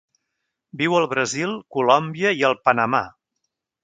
Viu al Brasil, Colòmbia i el Panamà.